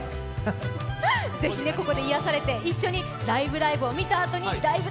是非、ここで癒やされて一緒に「ライブ！ライブ！」を見たあとに「ライブ！